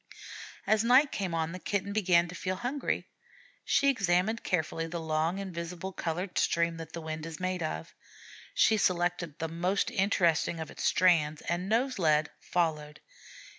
As night came on the Kitten began to feel hungry. She examined carefully the long invisible colored stream that the wind is made of. She selected the most interesting of its strands, and, nose led, followed.